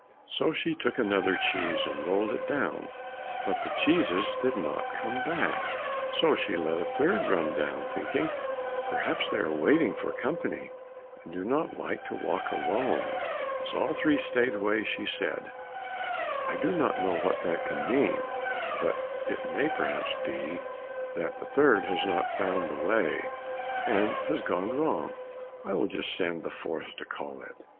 So she took another cheese and rolled it down. But the cheeses did not come back, so she let a third run down, thinking. "Perhaps they are waiting for company, and do not like to walk alone." As all three stayed away she said, "I do not know what that can mean, but it may perhaps be that the third has not found the way, and has gone wrong, I will just send the fourth to call it."